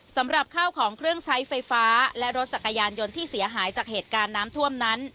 สำหรับข้าวของเครื่องใช้ไฟฟ้าและรถจักรยานยนต์ที่เสียหายจากเหตุการณ์น้ำท่วมนั้น